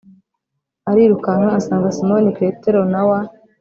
Arirukanka asanga Simoni Petero na wa